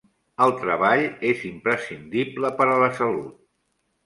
El treball és imprescindible per a la salut.